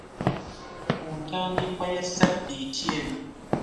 Ku ntandikwa ya Sabiiti eno